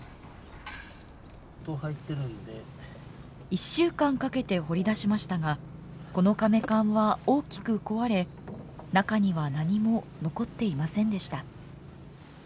１週間かけて掘り出しましたがこのかめ棺は大きく壊れ中には何も残っていませんでした。